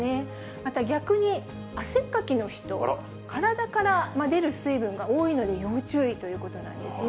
また逆に、汗っかきの人、体から出る水分が多いので要注意ということなんですね。